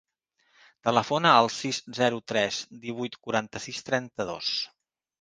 Telefona al sis, zero, tres, divuit, quaranta-sis, trenta-dos.